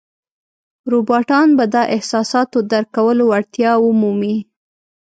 روباټان به د احساساتو درک کولو وړتیا ومومي.